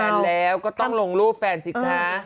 คนมีแฟนแล้วก็ต้องลงรูปแฟนสิคะ